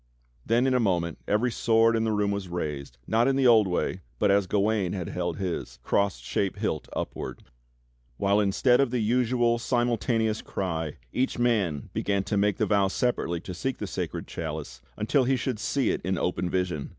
Then in a moment every sword in the room was raised, not in the old way, but as Gawain had held his — cross shaped hilt upward; while instead of the usual simultaneous cry, each man began to make the vow separately to seek the Sacred Chalice until he should see it in open vision.